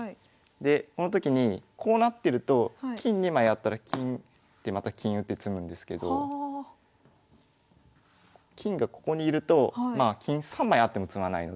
でこの時にこうなってると金２枚あったら金また金打って詰むんですけど金がここにいると金３枚あっても詰まないので。